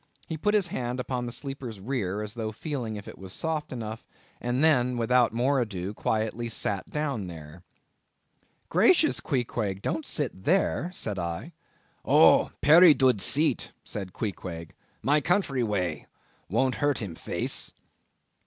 He put his hand upon the sleeper's rear, as though feeling if it was soft enough; and then, without more ado, sat quietly down there. "Gracious! Queequeg, don't sit there," said I. "Oh! perry dood seat," said Queequeg, "my country way; won't hurt him face."